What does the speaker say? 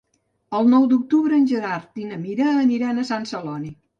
El nou d'octubre en Gerard i na Mira aniran a Sant Celoni.